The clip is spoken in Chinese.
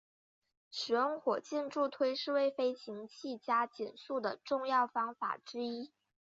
使用火箭助推是为飞行器加减速的重要方法之一。